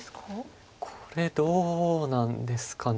これどうなんですかね。